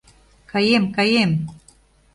Каем, каем...